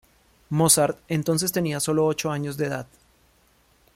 Mozart entonces tenía sólo ocho años de edad.